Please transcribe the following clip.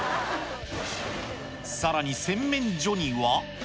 さらに、洗面所には。